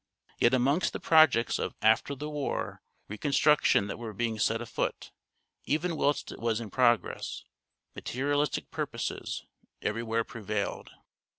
Yet amongst the projects of " after the war " reconstruction that were being set afoot, even whilst it was in progress, materialistic purposes everywhere prevailed.